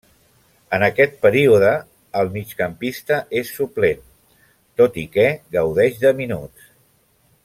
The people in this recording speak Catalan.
En aquest període, el migcampista és suplent, tot i que gaudeix de minuts.